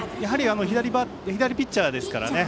左ピッチャーですからね。